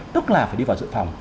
tức là phải đi vào dự phòng